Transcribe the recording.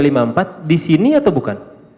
posisi meja lima puluh empat disini atau bukan